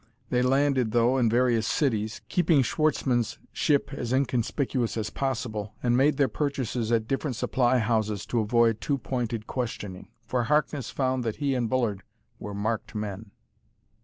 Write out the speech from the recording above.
They landed, though, in various cities, keeping Schwartzmann's ship as inconspicuous as possible, and made their purchases at different supply houses to avoid too pointed questioning. For Harkness found that he and Bullard were marked men.